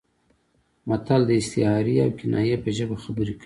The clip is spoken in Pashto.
متل د استعارې او کنایې په ژبه خبرې کوي